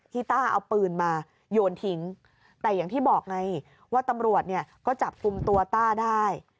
ต้าเอาปืนมาโยนทิ้งแต่อย่างที่บอกไงว่าตำรวจเนี่ยก็จับกลุ่มตัวต้าได้